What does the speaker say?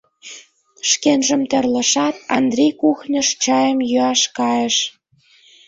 Шкенжым тӧрлышат, Андрий кухньыш чайым йӱаш кайыш.